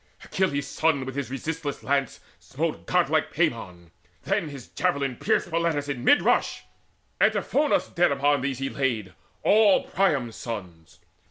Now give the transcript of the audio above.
Achilles' son with his resistless lance Smote godlike Pammon; then his javelin pierced Polites in mid rush: Antiphonus Dead upon these he laid, all Priam's sons.